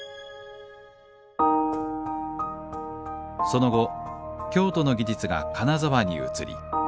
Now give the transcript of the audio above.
その後京都の技術が金沢に移り